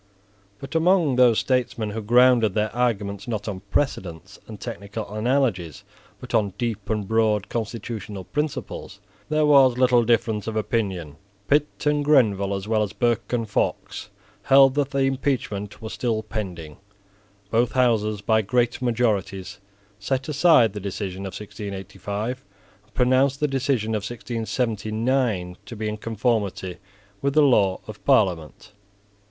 But among those statesmen who grounded their arguments, not on precedents and technical analogies, but on deep and broad constitutional principles, there was little difference of opinion. Pitt and Grenville, as well as Burke and Fox, held that the impeachment was still pending Both Houses by great majorities set aside the decision of 1685, and pronounced the decision of 1679 to be in conformity with the law of Parliament.